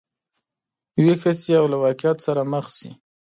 ویښه شي او له واقعیت سره مخ شي.